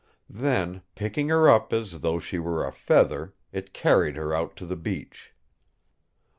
Then, picking her up as though she were a feather, it carried her out to the beach.